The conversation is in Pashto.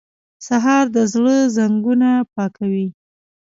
سهار د زړه زنګونه پاکوي.